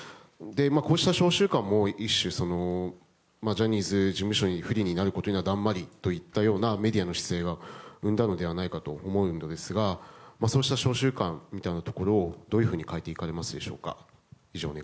こうした商習慣も一種ジャニーズ事務所に不利になることにはだんまりといったようなメディアの出演が生んだのではないかと思うんですがそうした商習慣みたいなところをどういうふうに変えていかれますでしょうか。